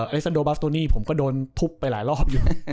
เอซันโดบาสโตนี่ผมก็โดนทุบไปหลายรอบอยู่